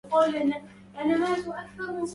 هذا مؤلم